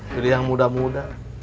pilih yang muda muda